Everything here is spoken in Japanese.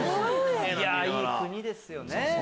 いい国ですよね！